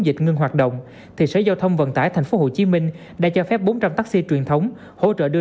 dịch ngưng hoạt động thì sở giao thông vận tải tp hcm đã cho phép bốn trăm linh taxi truyền thống hỗ trợ đưa